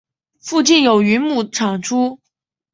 附近有云母产出。